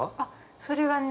それはね